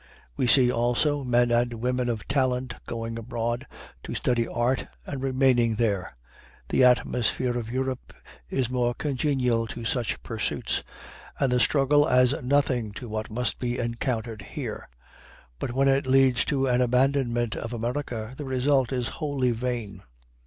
We see, also, men and women of talent going abroad to study art and remaining there. The atmosphere of Europe is more congenial to such pursuits, and the struggle as nothing to what must be encountered here. But when it leads to an abandonment of America, the result is wholly vain.